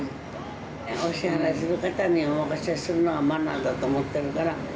お支払する方にお任せするのがマナーだと思ってるから。